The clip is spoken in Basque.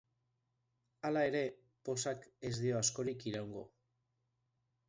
Hala ere, pozak ez dio askorik iraungo.